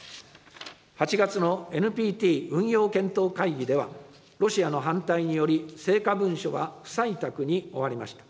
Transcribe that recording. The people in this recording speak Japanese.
８月のＮＰＴ運用検討会議では、ロシアの反対により成果文書が不採択に終わりました。